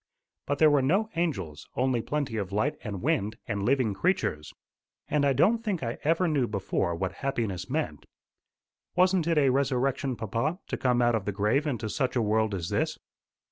But there were no angels only plenty of light and wind and living creatures. And I don't think I ever knew before what happiness meant. Wasn't it a resurrection, papa, to come out of the grave into such a world as this?"